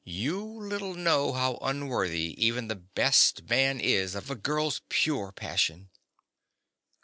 You little know how unworthy even the best man is of a girl's pure passion!